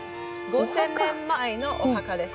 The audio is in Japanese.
５，０００年前のお墓です。